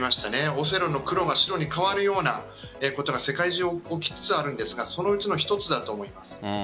オセロの黒が白に変わるようなことが世界中で起きつつあるんですがそのうちの一つだと思うんです。